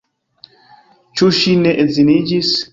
Ĉu ŝi ne edziniĝis?